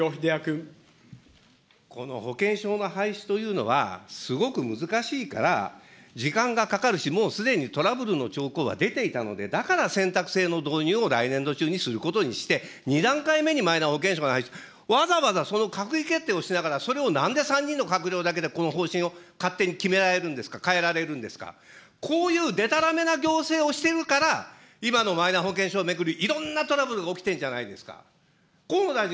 この保険証の廃止というのは、すごく難しいから、時間がかかるし、もうすでにトラブルの兆候は出ていたので、だから選択制の導入を来年度中にすることにして、２段階目にマイナ保険証の廃止、わざわざ閣議決定をしながら、それをなんで３人の閣僚だけでこの方針を勝手に決められるんですか、変えられるんですか、こういうでたらめな行政をしてるから、今のマイナ保険証を巡り、いろんなトラブルが起きてるんじゃないですか。